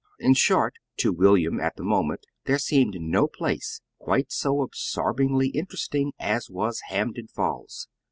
In short, to William, at the moment, there seemed no place quite so absorbingly interesting as was Hampden Falls.